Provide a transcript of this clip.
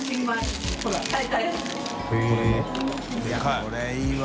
いこれいいわ。